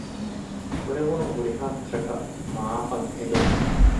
ކުރެވުނު ހުރިހާ ކުށަކަށް މަޢާފަށް އެދުން